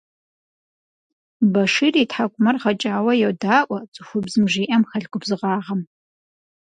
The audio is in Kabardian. Башир и тхьэкӀумэр гъэкӀауэ йодаӀуэ цӀыхубзым жиӀэм хэлъ губзыгъагъэм.